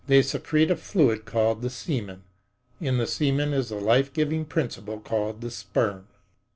They secrete a fluid called the semen. In the semen is the life giving principle called the sperm.